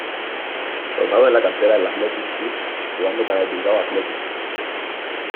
Formado en la cantera del Athletic Club, jugando para el Bilbao Athletic.